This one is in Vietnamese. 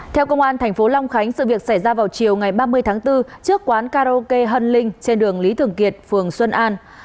theo công an tp long khánh sự việc xảy ra vào chiều ngày ba mươi tháng bốn trước quán karaoke hân linh trên đường lý thường kiệt phường xuân an